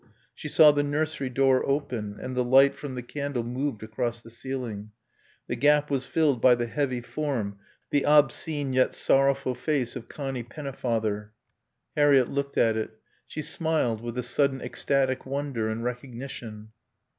She saw the nursery door open and the light from the candle moved across the ceiling. The gap was filled by the heavy form, the obscene yet sorrowful face of Connie Pennefather. Harriett looked at it. She smiled with a sudden ecstatic wonder and recognition.